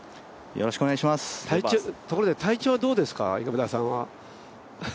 ところで体調はどうですか、今田さんは？